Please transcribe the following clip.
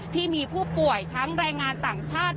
ที่มีผู้ป่วยทั้งแรงงานต่างชาติ